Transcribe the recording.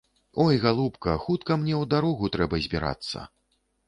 Ой, галубка, хутка мне ў дарогу трэба збірацца!